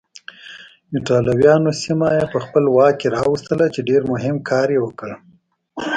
ایټالویانو سیمه یې په خپل واک کې راوستله چې ډېر مهم کار یې وکړ.